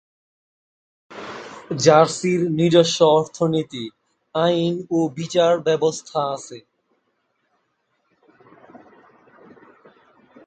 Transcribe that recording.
জার্সির নিজস্ব অর্থনীতি, আইন ও বিচার ব্যবস্থা আছে।